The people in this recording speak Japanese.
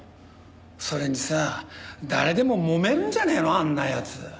それにさ誰でももめるんじゃねえのあんな奴。